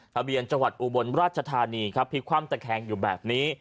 ทะเบียนจังหวัดอุบลราชธานีครับพลิกคว่ำตะแคงอยู่แบบนี้